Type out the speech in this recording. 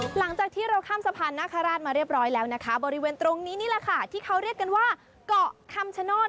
หลังจากที่เราข้ามสะพานนาคาราชมาเรียบร้อยแล้วนะคะบริเวณตรงนี้นี่แหละค่ะที่เขาเรียกกันว่าเกาะคำชโนธ